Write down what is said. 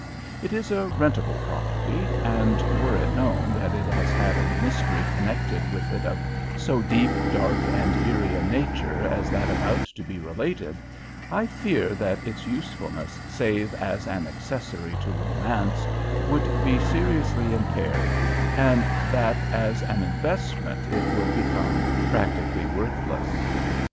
It is a rentable property, and were it known that it has had a mystery connected with it of so deep, dark, and eerie a nature as that about to be related, I fear that its usefulness, save as an accessory to romance, would be seriously impaired, and that as an investment it would become practically worthless.